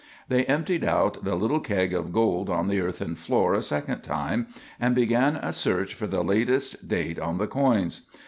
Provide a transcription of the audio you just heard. They emptied out the little keg of gold on the earthen floor a second time, and began a search for the latest date on the coins.